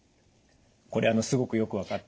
これすごくよく分かって。